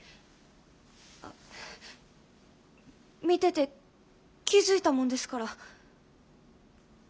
見てて気付いたもんですから。